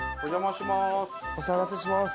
お騒がせします。